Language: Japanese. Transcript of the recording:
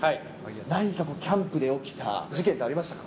何かキャンプで起きた事件ってありましたか？